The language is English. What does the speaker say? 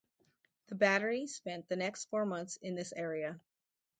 The battery spent the next four months in this area.